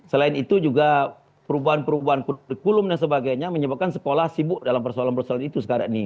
selain itu juga perubahan perubahan kurikulum dan sebagainya menyebabkan sekolah sibuk dalam persoalan persoalan itu sekarang nih